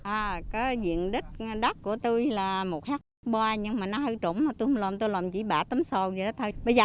à cái diện đích đắc của tôi là một hectare nhưng mà nó hơi trống tôi không làm tôi làm chỉ bã tấm sầu vậy đó thôi